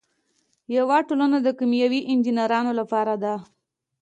یوه ټولنه د کیمیاوي انجینرانو لپاره ده.